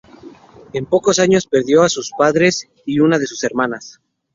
En pocos años perdió a sus padres y a una de sus hermanas.